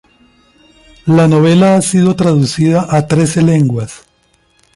La novela ha sido traducida a trece lenguas.